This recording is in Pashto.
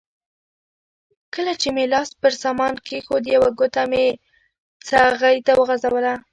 کله چې مې لاس پر سامان کېښود یوه ګوته مې څغۍ ته وغځوله.